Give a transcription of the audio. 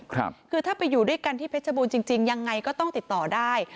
คือถ้าไปอยู่ด้วยกันที่เพชรบูรณจริงจริงยังไงก็ต้องติดต่อได้